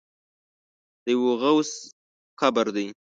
د یوه غوث قبر دی.